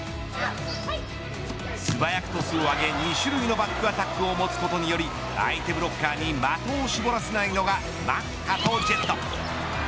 素早くトスを上げ、２種類のバックアタックを持つことにより相手ブロッカーに的を絞らせないのがマッハとジェット。